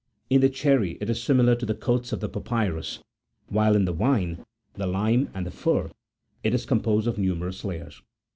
In the cherry it is similar to the coats of the papyrus, while in the vine, the lime, and the fir, it is composed of numerous layers.